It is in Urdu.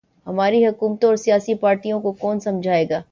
ہماری حکومتوں اور سیاسی پارٹیوں کو کون سمجھائے گا۔